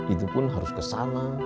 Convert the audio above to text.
itu pun harus kesana